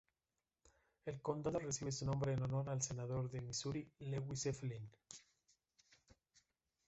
El condado recibe su nombre en honor al Senador de Misuri Lewis F. Linn.